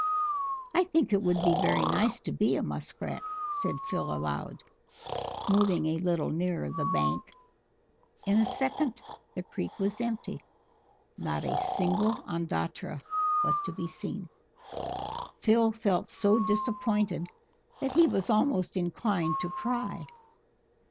"I think it would be very nice to be a Musk Rat," said Phil aloud, moving a little nearer the bank. In a second the creek was empty not a single Ondatra was to be seen. Phil felt so disappointed that he was almost inclined to cry.